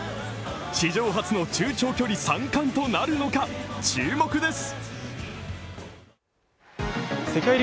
史上初の中長距離３冠となるのか、注目です！